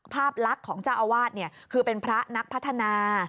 ภาพลักษณ์ของเจ้าอาวาสคือเป็นพระนักพัฒนา